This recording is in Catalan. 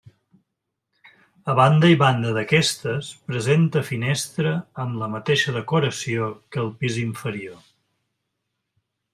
A banda i banda d'aquestes presenta finestra amb la mateixa decoració que al pis inferior.